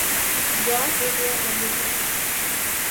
Gros Islet won the tournament.